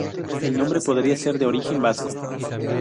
El nombre podría ser de origen vasco.